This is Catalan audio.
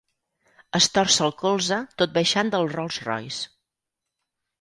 Es torça el colze tot baixant del Rolls Royce.